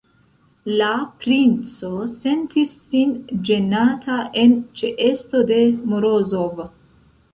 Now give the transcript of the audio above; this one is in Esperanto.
La princo sentis sin ĝenata en ĉeesto de Morozov.